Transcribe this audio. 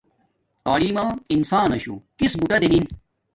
تعلیم ما انساناشو کس بوٹے دنن